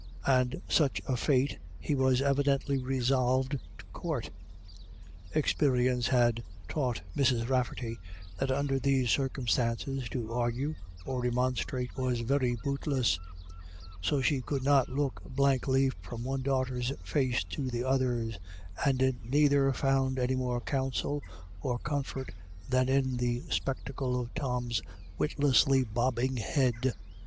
And such a fate he was evidently resolved to court. Experience had taught Mrs. Rafferty that under these circumstances to argue or remonstrate was very bootless ; so she GOT THE BETTER OF. 123 could but look blankly from one daughter's face to the other's, and in neither found any more counsel or comfort than in the spectacle of Tom's witlessly bobbing head.